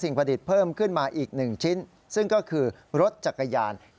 เราจะเรียกว่าคันหรือว่าลำนี่ดิ